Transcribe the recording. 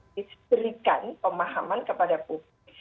diberikan pemahaman kepada publik